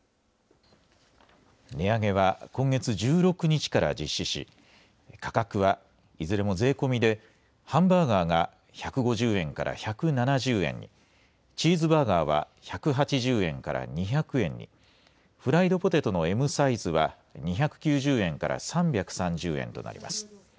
値上げは今月１６日から実施し、価格はいずれも税込みで、ハンバーガーが１５０円から１７０円に、チーズバーガーは１８０円から２００円に、フライドポテトのＭサイズは２９０円から３３０円となります。